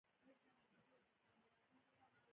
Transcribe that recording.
هلته ناستو کارګرانو فریدګل ته په ځیر کتل